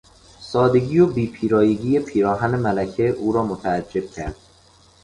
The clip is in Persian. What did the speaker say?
سادگی و بی پیرایگی پیراهن ملکه او را متعجب کرد.